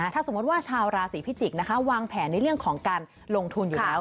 ถ้าสมมติว่าชาวราศีพิจิกษ์วางแผนในเรื่องของการลงทุนอยู่แล้ว